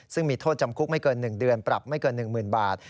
ซึ่งมีโทษจำคุกไม่เกิน๑เดือนปรับไม่เกิน๑๐๐๐บาท